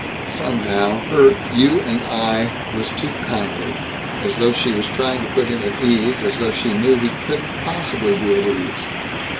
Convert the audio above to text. Somehow Her "you and I" was too kindly, as though she was trying to put him at ease, as though she knew he couldn't possibly be at ease.